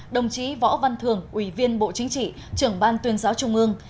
đồng chí võ văn thường ủy viên bộ chính trị trưởng ban tuyên giáo trung ương